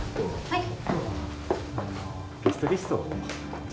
はい。